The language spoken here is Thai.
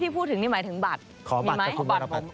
พี่พูดถึงนี่หมายถึงบัตรขอบัตรกับคุณวรปัตร